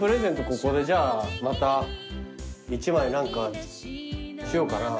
ここでじゃあまた１枚何かしようかな。